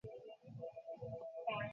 নিঃশব্দে খাওয়ার জন্য।